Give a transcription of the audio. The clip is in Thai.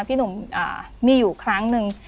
พี่หนุ่มมีอยู่ครั้งหนึ่ง